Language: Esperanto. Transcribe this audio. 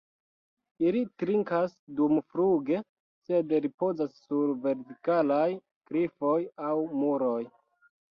Ili trinkas dumfluge, sed ripozas sur vertikalaj klifoj aŭ muroj.